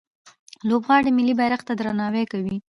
لوبغاړي ملي بیرغ ته درناوی کوي.